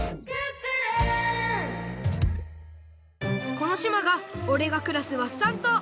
このしまがおれがくらすワッサン島。